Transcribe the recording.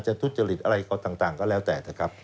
จะทุดเจมส์อะไรก็แล้วแต่นะครับ